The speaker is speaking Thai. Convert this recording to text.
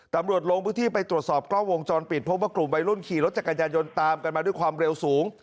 ลงพื้นที่ไปตรวจสอบกล้องวงจรปิดพบว่ากลุ่มวัยรุ่นขี่รถจักรยายนตามกันมาด้วยความเร็วสูง